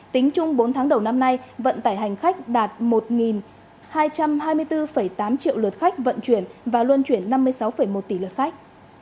tính chung bốn tháng đầu năm nay vận tải hành khách đạt một hai trăm hai mươi bốn tám triệu lượt khách vận chuyển và luân chuyển năm mươi sáu một tỷ lượt khách